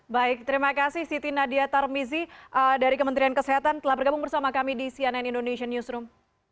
baik terima kasih siti nadia tarmizi dari kementerian kesehatan telah bergabung bersama kami di cnn indonesian newsroom